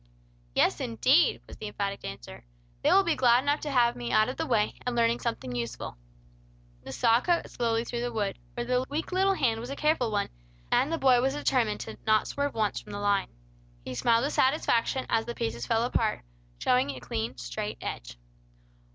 "Yes indeed!" was the emphatic answer. "They will be glad enough to have me out of the way, and learning something useful." The saw cut slowly through the wood; for the weak little hand was a careful one, and the boy was determined not to swerve once from the line. He smiled with satisfaction as the pieces fell apart, showing a clean, straight edge.